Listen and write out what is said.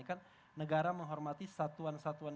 kan negara menghormati satuan satuan